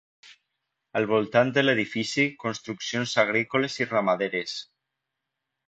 Al voltant de l'edifici, construccions agrícoles i ramaderes.